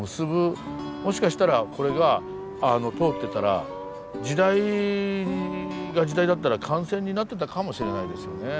もしかしたらこれが通ってたら時代が時代だったら幹線になってたかもしれないですよね。